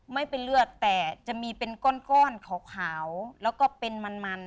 ไม่เป็นเลือดแต่จะมีเป็นก้อนขาวแล้วก็เป็นมัน